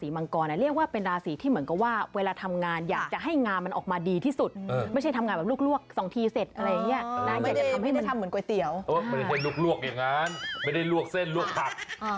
ไม่ได้ทำลวกอย่างนั้นไม่ได้ลวกเส้นลวกผัก